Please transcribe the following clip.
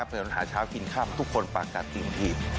เหมือนเวลาเช้ากินข้ามทุกคนปากกับสิ่งที่